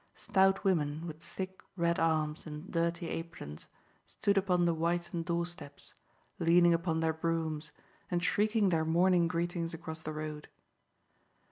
Stout women, with thick, red arms and dirty aprons, stood upon the whitened doorsteps, leaning upon their brooms, and shrieking their morning greetings across the road.